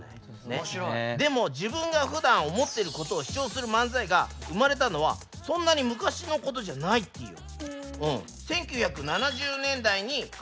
でも自分がふだん思ってることを主張する漫才が生まれたのはそんなに昔のことじゃないティよ。